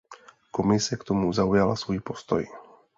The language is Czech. Komise k tomu zaujala svůj postoj.